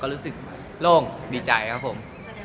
รู้สึกโล่งดีใจครับผม